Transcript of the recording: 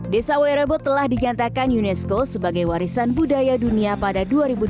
desa wairebo telah digantakan unesco sebagai warisan budaya dunia pada dua ribu dua belas